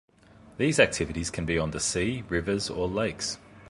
These activities can be on the sea, rivers or lakes.